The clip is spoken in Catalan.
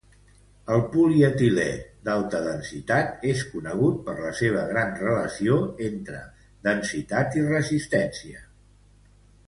El polietilè d'alta densitat és conegut per la seva gran relació entre densitat i resistència.